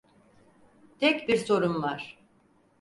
Tek bir sorum var.